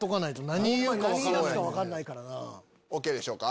ＯＫでしょうか？